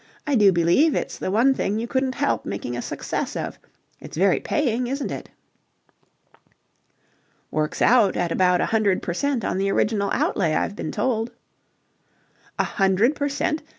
I do believe it's the one thing you couldn't help making a success of. It's very paying, isn't it?" "Works out at about a hundred per cent on the original outlay, I've been told." "A hundred per cent?